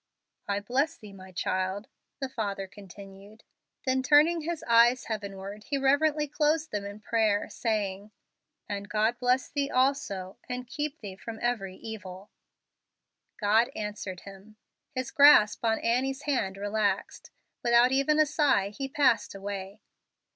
"I bless thee, my child," the father continued; then turning his eyes heavenward he reverently closed them in prayer, saying, "and God bless thee also, and keep thee from every evil." God answered him. His grasp on Annie's hand relaxed; without even a sigh he passed away.